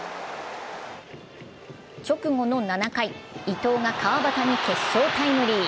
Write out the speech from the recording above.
直後の７回、伊藤が川端に決勝タイムリー。